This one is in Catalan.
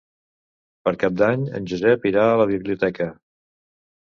Per Cap d'Any en Josep irà a la biblioteca.